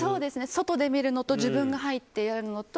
外で見るのと自分が入ってやるのと。